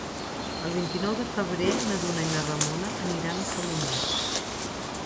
El vint-i-nou de febrer na Duna i na Ramona aniran a Salomó.